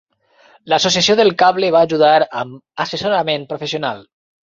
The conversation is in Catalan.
L'associació del cable va ajudar amb assessorament professional.